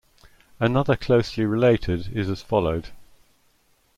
Another closely related is as followed.